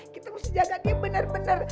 kita mesti jaga dia bener bener